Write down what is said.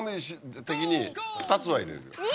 ２つは入れる。